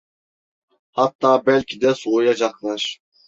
Hatta belki de soğuyacaklar…